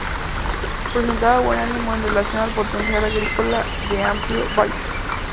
Presentaba buen ánimo en relación al potencial agrícola del amplio Valle Weber.